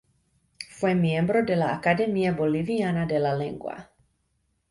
Fue miembro de la Academia Boliviana de la Lengua.